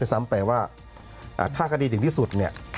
ด้วยซ้ำแปลว่าถ้าคดีถึงที่สุด